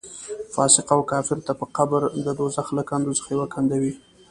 فاسق او کافر ته به قبر د دوزخ له کندو څخه یوه کنده وي.